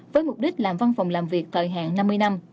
với mục đích làm văn phòng làm việc thời hạn năm mươi năm